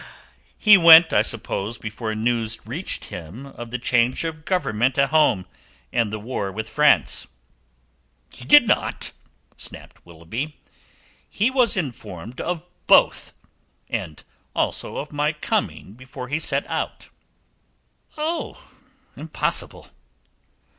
"He went, I suppose, before news reached him of the change of government at home, and the war with France?" "He did not," snapped Willoughby. "He was informed of both, and also of my coming before he set out." "Oh, impossible!"